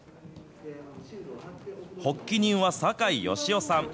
発起人は坂井良雄さん。